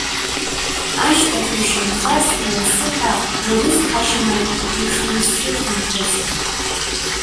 Ашьҭахь ушьамхы арсны уансыҳәа урыцҳашьаны ишузсырхынҳәыз.